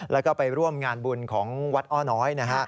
แล้วก็ไปร่วมงานบุญของวัดอ้อน้อยนะฮะ